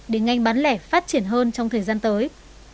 để ngành bán lẻ phát triển hơn trong thời gian tới